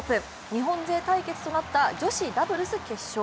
日本勢対決となった女子ダブルス決勝。